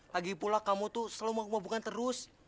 lagi pula kamu tuh selalu mau hubungan terus